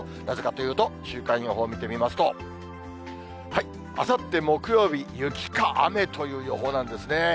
なぜかというと、週間予報を見てみますと、あさって木曜日、雪か雨という予報なんですね。